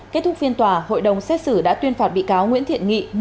kết thúc phiên tòa hội đồng xét xử đã tuyên phạt bị cáo nguyễn thiện nghị